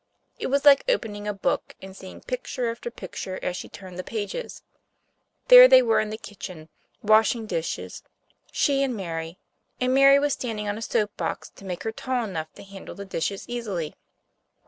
It was like opening a book, and seeing picture after picture as she turned the pages. There they were in the kitchen, washing dishes, she and Mary; and Mary was standing on a soap box to make her tall enough to handle the dishes easily.